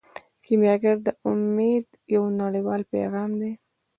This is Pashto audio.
کیمیاګر د امید یو نړیوال پیغام دی.